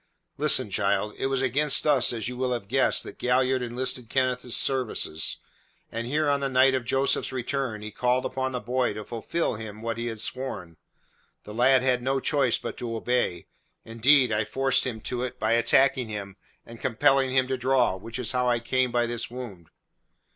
Listen, child. It was against us, as you will have guessed, that Galliard enlisted Kenneth's services, and here on the night of Joseph's return he called upon the boy to fulfil him what he had sworn. The lad had no choice but to obey; indeed, I forced him to it by attacking him and compelling him to draw, which is how I came by this wound.